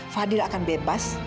fadil akan bebas